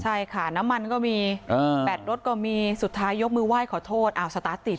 ใช่ค่ะน้ำมันก็มีแบตรถก็มีสุดท้ายยกมือไหว้ขอโทษอ้าวสตาร์ทติด